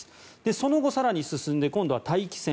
その後、更に進んで今度は待機線